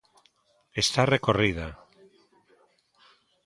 Está recorrida.